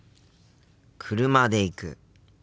車で行く。